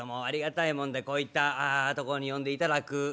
ありがたいもんでこういったとこに呼んでいただく。